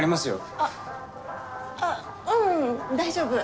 あっあっうん大丈夫。